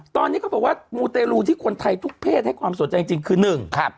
ตอนนี้ก็บอกว่ามูตรรุที่คนไทยทุกเพศให้ความสนใจจริงคือ